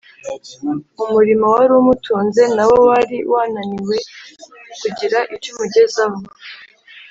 umurimo wari umutunze nawo wari wananiwe kugira icyo umugezaho